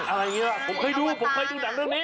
อะไรหรือผมเคยดูผมเคยดูหนังเรื่องนี้